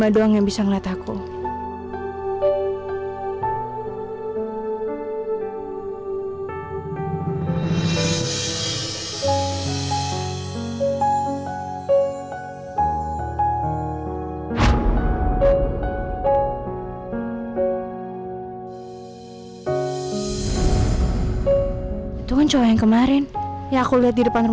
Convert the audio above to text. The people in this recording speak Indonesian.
aku kayak bisa ngerasain seolah putri ada di sini